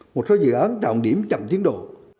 một số dự án đạo điểm chậm tiến độ